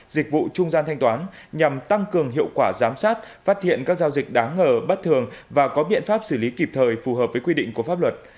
dịch vụ trung gian thanh toán nhằm tăng cường hiệu quả giám sát phát hiện các giao dịch đáng ngờ bất thường và có biện pháp xử lý kịp thời phù hợp với quy định của pháp luật